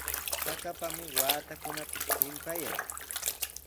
Chakapami waatakunapis chimpayan.